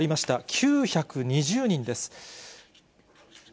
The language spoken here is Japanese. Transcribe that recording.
９２０人です。